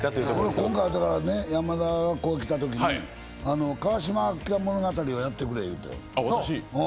今回、山田が来たときに、川島物語をやってくれと。